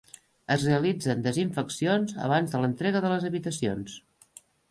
Es realitzen desinfeccions abans de l'entrega de les habitacions.